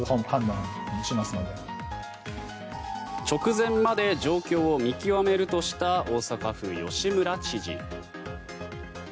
直前まで状況を見極めるとした大阪府、吉村知事。